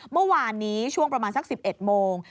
เมื่อวานนี้ช่วงประมาณสัก๑๑โมง